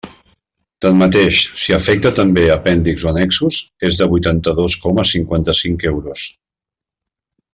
Tanmateix, si afecta també apèndixs o annexos, és de vuitanta-dos coma cinquanta-cinc euros.